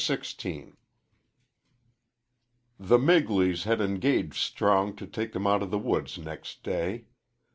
"_ XVI THE Migleys had engaged Strong to take them out of the woods next day.